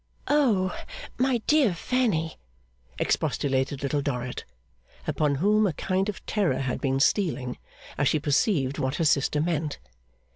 'O, my dear Fanny!' expostulated Little Dorrit, upon whom a kind of terror had been stealing as she perceived what her sister meant.